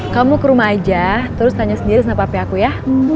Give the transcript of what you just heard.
kamu ke rumah aja terus tanya sendiri sama papaku ya